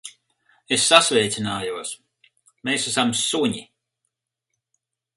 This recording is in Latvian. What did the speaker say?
Es sasveicinājos. Mēs esam suņi.